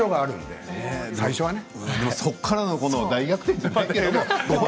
そこからの大逆転。